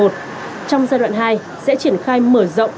trong giai đoạn hai sẽ triển khai mở rộng